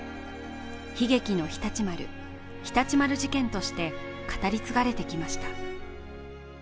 悲劇の常陸丸、常陸丸事件として語り継がれてきました。